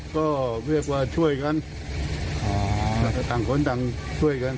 ก็เรียกว่าช่วยกันแล้วก็ต่างคนต่างช่วยกัน